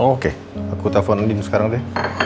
oke aku telfon ndin sekarang deh